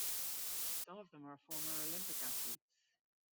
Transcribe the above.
Some of them are former Olympic athletes.